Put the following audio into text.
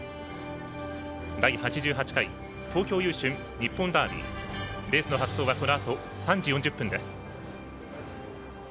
第８８回東京優駿日本ダービーレースの発走はこのあと３時４０分です。